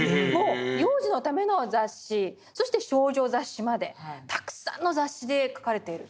幼児のための雑誌そして少女雑誌までたくさんの雑誌で描かれている。